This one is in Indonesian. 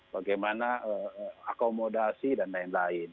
bagaimana akomodasi dan lain lain